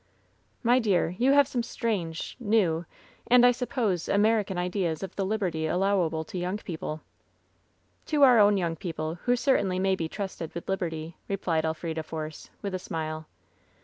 "My dear, you have some strange, new, and, I sup pose, American ideas of the liberty allowable to young people.^' "To our own young people, who certainly may be trusted with liberty,^' replied Elfrida Force, with a smile.